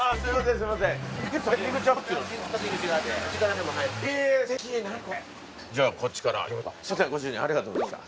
すみませんありがとうございました。